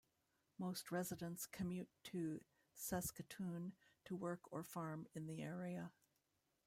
Most residents commute to Saskatoon to work or farm in the area.